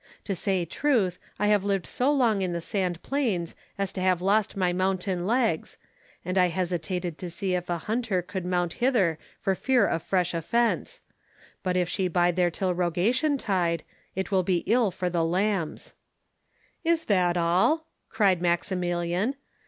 To say truth, I have lived so long in the sand plains as to have lost my mountain legs, and I hesitated to see if a hunter could mount thither for fear of fresh offence; but, if she bide there till Rogation tide, it will be ill for the lambs." "Is that all?" cried Maximilian.